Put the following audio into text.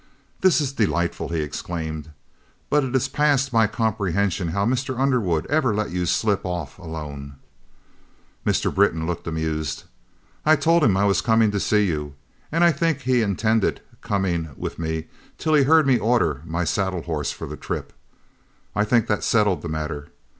"This is delightful!" he exclaimed; "but it is past my comprehension how Mr. Underwood ever let you slip off alone!" Mr. Britton looked amused. "I told him I was coming to see you, and I think he intended coming with me till he heard me order my saddle horse for the trip. I think that settled the matter.